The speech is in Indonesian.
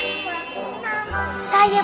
nih udah mau ngapain